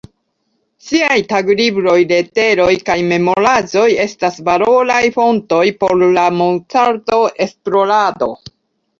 Ŝiaj taglibroj, leteroj kaj memoraĵoj estas valoraj fontoj por la Mozart-esplorado.